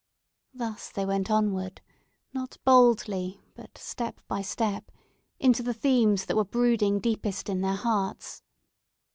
Thus they went onward, not boldly, but step by step, into the themes that were brooding deepest in their hearts.